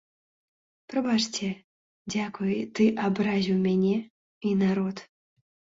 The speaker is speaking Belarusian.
Прабачце, дзякуй, ты абразіў мяне і народ.